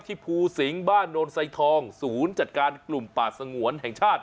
ภูสิงบ้านโนนไซทองศูนย์จัดการกลุ่มป่าสงวนแห่งชาติ